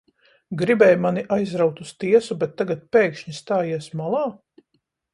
Gribēji mani aizraut uz tiesu, bet tagad pēkšņi stājies malā?